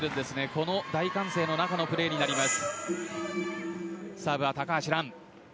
この大歓声の中でのプレーになります。